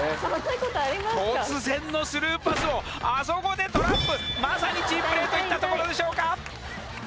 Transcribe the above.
突然のスルーパスをあそこでトラップまさにチームプレーといったところでしょうか？